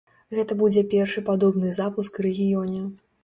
Гэта будзе першы падобны запуск у рэгіёне.